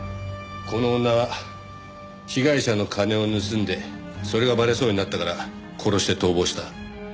この女が被害者の金を盗んでそれがバレそうになったから殺して逃亡した。